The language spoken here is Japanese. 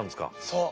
そう。